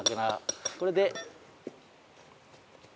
これで。